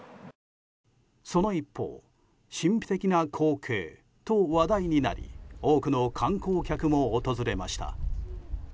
その一方神秘的な光景と話題になり多くの観光客も訪れました。